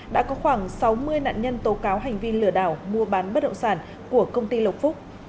đã có khoảng sáu mươi nạn nhân tố cáo hành vi lừa đảo mua bán bất động sản của công ty lộc phúc